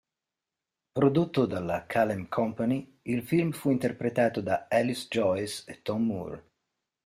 Prodotto dalla Kalem Company, il film fu interpretato da Alice Joyce e Tom Moore.